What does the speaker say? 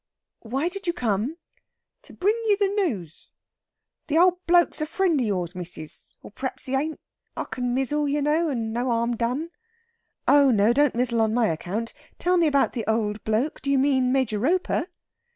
"Why did you come?" "To bring you the nooze. The old bloke's a friend of yours, missis. Or p'r'aps he ain't! I can mizzle, you know, and no harm done." "Oh no, don't mizzle on any account. Tell me about the old bloke. Do you mean Major Roper?"